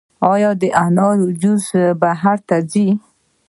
آیا د انارو جوس بهر ته ځي؟